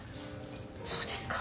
そうですか。